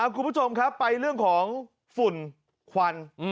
คุณผู้ชมครับไปเรื่องของฝุ่นควัน